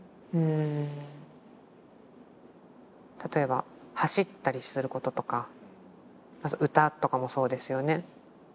例えば走ったりすることとか歌とかもそうですよね。